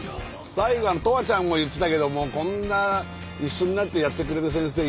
最後とわちゃんも言ってたけども「こんな一緒になってやってくれる先生いない！」